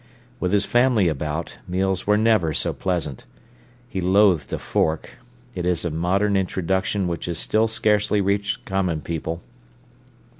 With his family about, meals were never so pleasant. He loathed a fork: it is a modern introduction which has still scarcely reached common people.